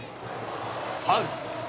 ファウル。